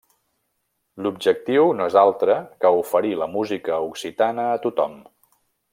L'objectiu no és altre que oferir la música occitana a tothom.